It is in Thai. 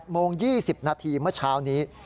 โมง๒๐นาทีเมื่อเช้านี้